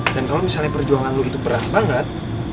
dan kalo misalnya perjuangan lo itu berat banget